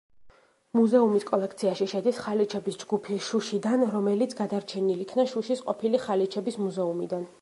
მუზეუმის კოლექციაში შედის ხალიჩების ჯგუფი შუშიდან, რომელიც გადარჩენილ იქნა შუშის ყოფილი ხალიჩების მუზეუმიდან.